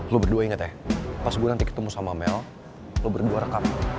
lo berdua inget ya pas gue nanti ketemu sama mel lo berdua rekam